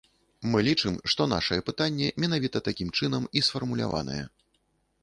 Мы лічым, што нашае пытанне менавіта такім чынам і сфармуляванае.